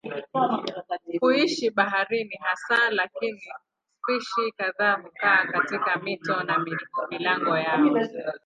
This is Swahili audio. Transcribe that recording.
Huishi baharini hasa lakini spishi kadhaa hukaa katika mito na milango yao.